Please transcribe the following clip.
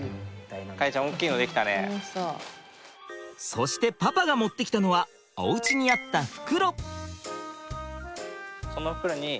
そしてパパが持ってきたのはおうちにあった袋。